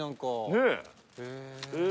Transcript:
ねえ。